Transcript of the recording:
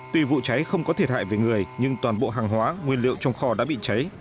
tuy vụ cháy không có thiệt hại về người nhưng toàn bộ hàng hóa nguyên liệu trong kho đã bị cháy